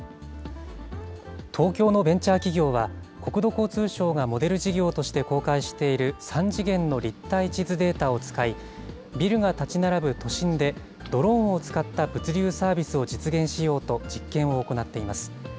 東京のベンチャー企業は、国土交通省がモデル事業として公開している３次元の立体地図データを使い、ビルが建ち並ぶ都心で、ドローンを使った物流サービスを実現しようと実験を行っています。